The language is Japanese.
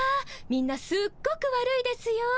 みんなすっごくわるいですよ。